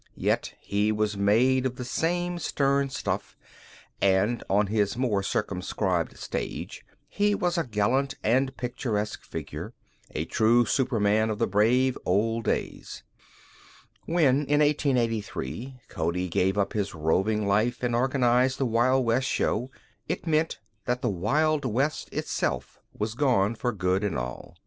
Yet he was made of the same stern stuff, and, on his more circumscribed stage, he was a gallant and picturesque figure, a true superman of the brave old days. When, in 1883, Cody gave up his roving life and organized the Wild West show it meant that the Wild West itself was gone for good and all.